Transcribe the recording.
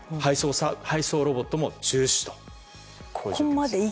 配送ロボットも中止と。